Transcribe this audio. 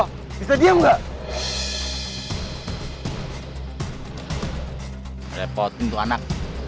hai bisa diam enggak repot untuk anak